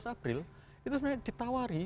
tujuh belas april itu sebenarnya ditawari